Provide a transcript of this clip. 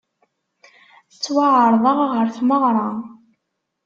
Ttwaɛerḍeɣ ɣer tmeɣra.